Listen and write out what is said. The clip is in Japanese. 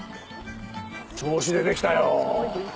調子出てきたよ。